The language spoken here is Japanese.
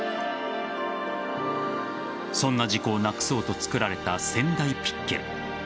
そんな事故をなくそうと作られた仙台ピッケル。